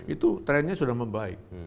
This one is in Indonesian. itu trennya sudah membaik